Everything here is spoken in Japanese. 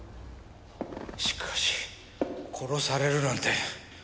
しかし殺されるなんて一体誰が！？